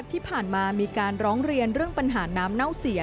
ที่ผ่านมามีการร้องเรียนเรื่องปัญหาน้ำเน่าเสีย